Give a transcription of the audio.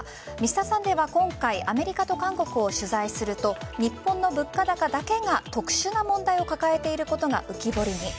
「Ｍｒ．サンデー」は今回アメリカと韓国を取材すると日本の物価高だけが特殊な問題を抱えていることが浮き彫りに。